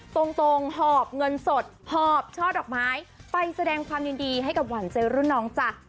ตรงหอบเงินสดหอบช่อดอกไม้ไปแสดงความยินดีให้กับหวานใจรุ่นน้องจ้ะ